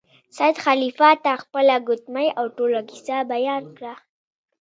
سید خلیفه ته خپله ګوتمۍ او ټوله کیسه بیان کړه.